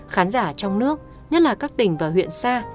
khán giả trong nước nhất là các tỉnh và huyện xa